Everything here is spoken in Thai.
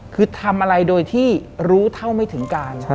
คือทำอะไรโดยที่รู้เท่าไม่ถึงการ